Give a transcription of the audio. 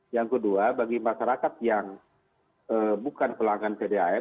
yang kedua bagi masyarakat yang bukan pelanggan pdam